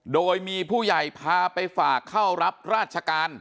โดยมีผู้ใหญ่พาไปฝากเข้ารับราชการ